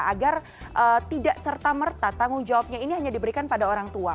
agar tidak serta merta tanggung jawabnya ini hanya diberikan pada orang tua